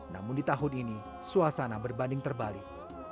namun di tahun ini suasana berbanding terbalik